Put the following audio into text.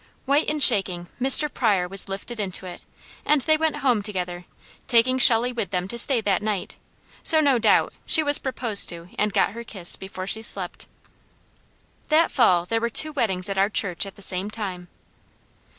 White and shaking, Mr. Pryor was lifted into it and they went home together, taking Shelley with them to stay that night; so no doubt she was proposed to and got her kiss before she slept. That fall there were two weddings at our church at the same time.